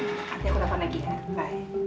nanti aku dapet lagi ya bye